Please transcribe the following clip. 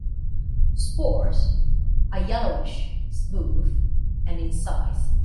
Spores are yellowish, smooth, and in size.